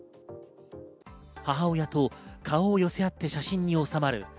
母親と顔を寄せ合って写真に収まる